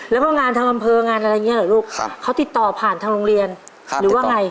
แล้วก็งานทางอำเภองานอะไรอย่างนี้เหรอลูกเขาติดต่อผ่านทางโรงเรียนหรือว่าไง